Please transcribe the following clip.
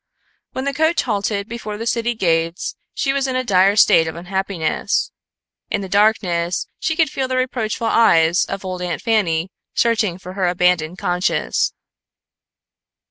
When the coach halted before the city gates she was in a dire state of unhappiness. In the darkness she could feel the reproachful eyes of old Aunt Fanny searching for her abandoned conscience.